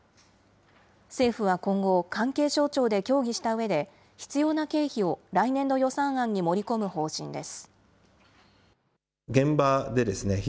政府は今後、関係省庁で協議したうえで、必要な経費を来年度予算案に盛り込む方針です。